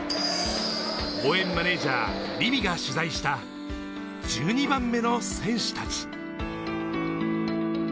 応援マネージャー・凛美が取材した１２番目の選手達。